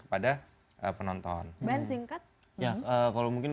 kepada penonton ben singkat ya kalau mungkin